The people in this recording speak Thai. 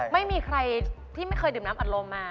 ไม่มีใครที่ไม่เคยดื่มน้ำอัดลมมา